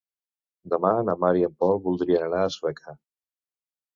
Demà na Mar i en Pol voldrien anar a Sueca.